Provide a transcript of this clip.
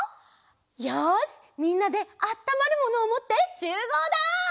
よしみんなであったまるものをもってしゅうごうだ！